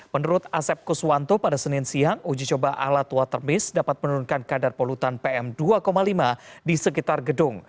menurut asep kuswanto pada senin siang uji coba alat water miss dapat menurunkan kadar polutan pm dua lima di sekitar gedung